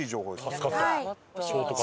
助かった。